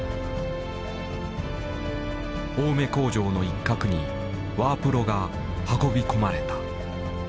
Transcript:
青梅工場の一角にワープロが運び込まれた。